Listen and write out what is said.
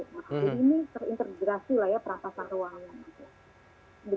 jadi ini terintegrasi lah ya perantasan ruangan